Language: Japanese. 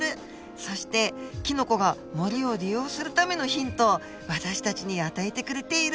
そしてキノコが森を利用するためのヒントを私たちに与えてくれている。